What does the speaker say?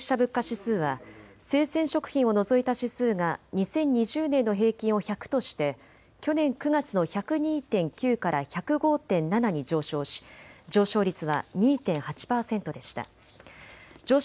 総務省によりますと９月の消費者物価指数は生鮮食品を除いた指数が２０２０年の平均を１００として去年９月の１０２．９から１０５．７に上昇し上昇率は２．８％でした。